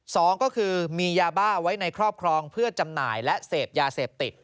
สองก็คือมียาบ้าไว้ในครอบครองเพื่อจำหน่ายและเสพยาเสพติด